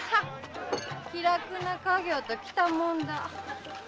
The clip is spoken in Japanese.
気楽な稼業ときたもんだ。